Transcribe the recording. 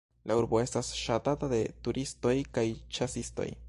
La urbo estas ŝatata de turistoj kaj ĉasistoj.